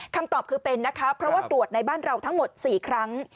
คำตอบคือเป็นนะคะเพราะว่าตรวจในบ้านเราทั้งหมด๔ครั้ง